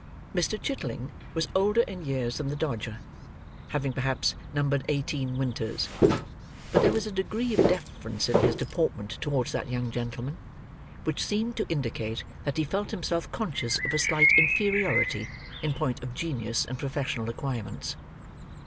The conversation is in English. Mr. Chitling was older in years than the Dodger: having perhaps numbered eighteen winters; but there was a degree of deference in his deportment towards that young gentleman which seemed to indicate that he felt himself conscious of a slight inferiority in point of genius and professional aquirements.